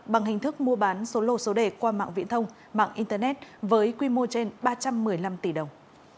bằng hình thức mua bán số lô số đề qua mạng viễn thông mạng internet với quy mô trên ba trăm một mươi năm tỷ đồng